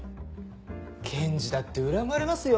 検事だって恨まれますよ。